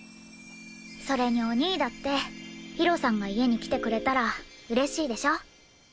それにお兄だってひろさんが家に来てくれたら嬉しいでしょ？